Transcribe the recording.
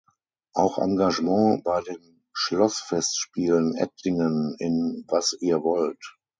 Auch Engagement bei den Schlossfestspielen Ettlingen in "Was ihr wollt".